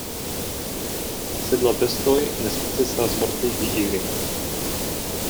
Sed la bestoj ne sukcesas mortigi ilin.